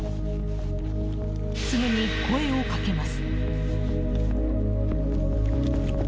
すぐに声をかけます。